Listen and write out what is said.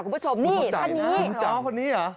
คุณเข้าใจนะคุณเข้าใจว่าคนนี้หรอ